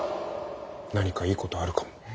何かいいことあるかも。